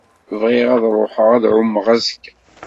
Bɣiɣ ad ruḥeɣ ad ɛummeɣ azekka.